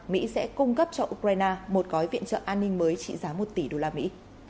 mỹ sẽ cung cấp cho ukraine một gói viện trợ an ninh mới trị giá một tỷ đô la mỹ